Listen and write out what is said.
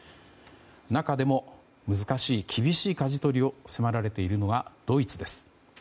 中でも難しい厳しいかじ取りを迫られているのはドイツです。